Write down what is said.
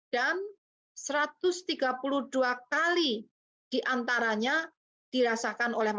dan satu ratus tiga puluh dua kali diantaranya dirasakan oleh